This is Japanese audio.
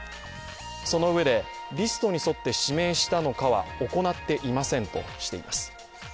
そのうえで、リストに沿って指名したのかは行っていませんとしています。